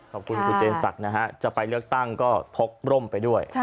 ขอบคุณคุณเจนศักดิ์นะฮะจะไปเลือกตั้งก็พกร่มไปด้วย